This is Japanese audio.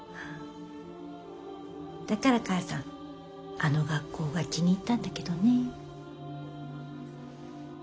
だから母さんあの学校が気に入ったんだけどね。